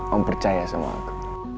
om percaya sama aku